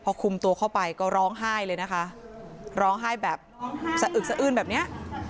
พอคุมตัวเข้าไปก็ร้องไห้เลยนะคะร้องไห้แบบสะอึกสะอื้นแบบเนี้ย